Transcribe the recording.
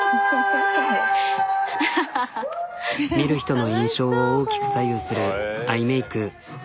見る人の印象を大きく左右するアイメーク。